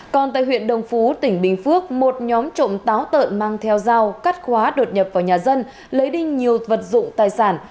còn tại huyện đồng phú tỉnh bình phước một nhóm trộm táo tợn mang theo dao cắt khóa đột nhập vào nhà dân lấy đi nhiều vật dụng tài sản